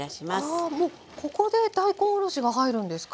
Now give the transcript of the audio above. あもうここで大根おろしが入るんですか？